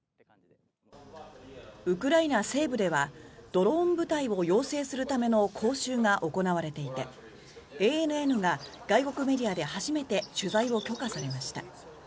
ウクライナ西部ではドローン部隊を養成するための講習が行われていてＡＮＮが外国メディアで初めて取材を許可されました。